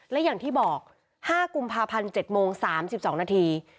และอย่างที่บอก๕กุมภาพันธ์๗โมง๓๒นาที